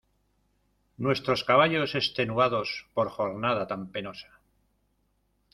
nuestros caballos, extenuados por jornada tan penosa